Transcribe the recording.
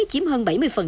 chiếm hơn bảy mươi